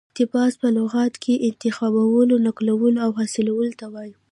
اقتباس په لغت کښي انتخابولو، نقلولو او حاصلولو ته وايي.